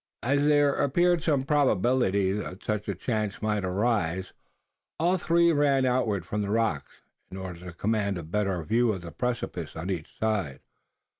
As there appeared some probability that such a chance might arise, all three ran outward from the rocks in order to command a better view of the precipice, on each side.